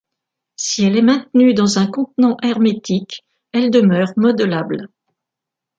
Si elle est maintenue dans un contenant hermétique, elle demeure modelable.